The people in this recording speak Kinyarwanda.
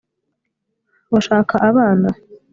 urashaka abana